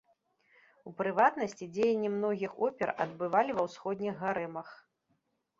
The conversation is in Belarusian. У прыватнасці, дзеянні многіх опер адбывалі ва ўсходніх гарэмах.